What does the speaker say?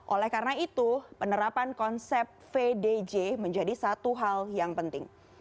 oleh karena itu penerapan konsep vdj menjadi satu hal yang penting